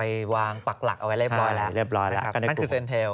ไปวางปักหลักเอาไว้เรียบร้อยแล้ว